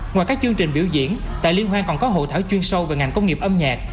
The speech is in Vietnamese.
ngoài các chương trình biểu diễn tại liên hoan còn có hộ thảo chuyên sâu về ngành công nghiệp âm nhạc